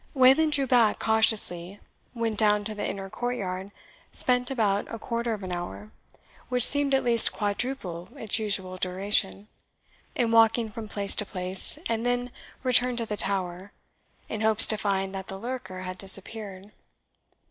Wayland drew back cautiously, went down to the inner courtyard, spent about a quarter of an hour, which seemed at least quadruple its usual duration, in walking from place to place, and then returned to the tower, in hopes to find that the lurker had disappeared.